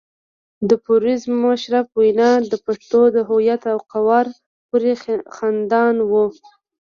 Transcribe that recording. د پرویز مشرف وینا د پښتنو د هویت او وقار پورې خندا وه.